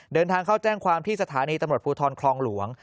เดินทางเข้าแจ้งความที่สถานีตำรวจภูทรคลองหลวง